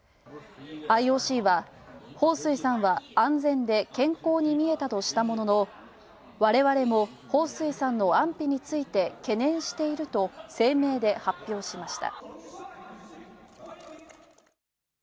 ＩＯＣは彭帥さんは安全で健康に見えたとしたもののわれわれも彭帥さんの安否について懸念していると声明で発表しました。